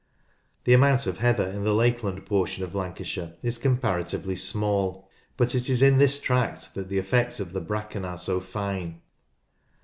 The amount of heather in the Lakeland portion of Lancashire is comparatively small, but it is in this tract that the effects of the bracken are so fine.